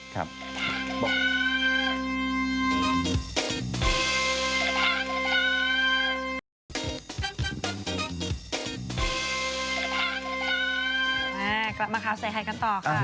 กลับมาคับแบบใส่ใครกันต่อครับ